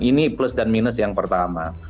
ini plus dan minus yang pertama